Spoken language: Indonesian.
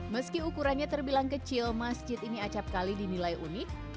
meski ukurannya terbilang kecil masjid ini acapkali dinilai unik